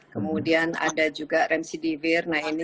kemudian ada juga remsidivir nah ini